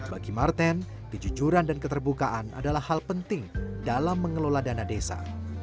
bagi marten kejujuran dan keterbukaan adalah hal penting dalam mengelola dana desa